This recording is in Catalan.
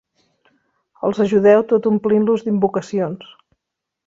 Els ajudeu tot omplint-los d'invocacions.